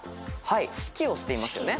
指揮をしていますよね。